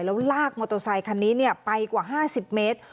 แล้วลากมอเตอร์ไซคันนี้ไปกว่า๕๐เมตร